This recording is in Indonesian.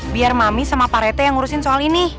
biar mami sama pak rete yang ngurusin soal ini